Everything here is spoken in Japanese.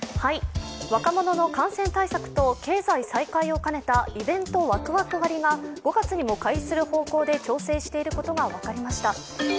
若者の感染対策と経済再開を兼ねたイベントワクワク割が５月にも開始する方向で調整していることが分かりました。